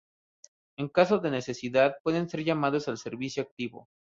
En caso de necesidad, pueden ser llamados al servicio activo.